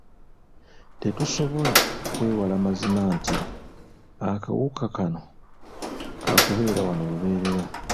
Tetusobola kwewala mazima nti akawuka kano ka kubeera wano lubeerera.